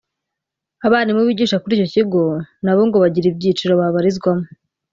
Abarimu bigisha kuri icyo kigo nabo ngo bagira ibyiciro babarizwamo